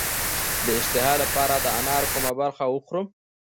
د اشتها لپاره د انار کومه برخه وخورم؟